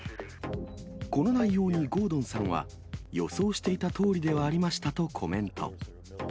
この内容にゴードンさんは、予想していたとおりではありましたとコメント。